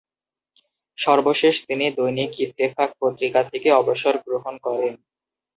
সর্বশেষ তিনি দৈনিক ইত্তেফাক পত্রিকা থেকে অবসর গ্রহণ করেন।